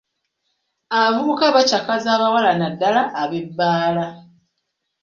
Abavubuka baakyakaza abawala, naddala ab'ebbaala.